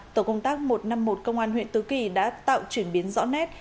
tổ công tác một trăm năm mươi một công an huyện tứ kỳ đã tạo chuyển biến rõ nét